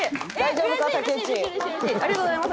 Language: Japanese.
ありがとうございます。